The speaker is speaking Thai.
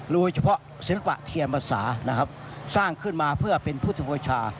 โดยเฉพาะศิลปะเทียมศาสร้างขึ้นมาเพื่อเป็นพุทธโภชา